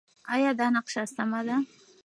ایا دا نقشه سمه ده؟